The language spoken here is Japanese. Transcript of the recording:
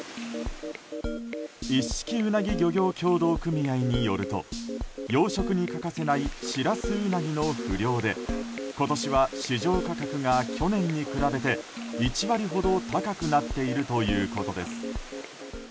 一色うなぎ漁業協同組合によると養殖に欠かせないシラスウナギの不漁で今年は市場価格が去年に比べて１割ほど高くなっているということです。